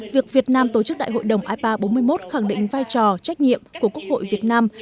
việc việt nam tổ chức đại hội đồng ipa bốn mươi một khẳng định vai trò trách nhiệm của quốc hội việt nam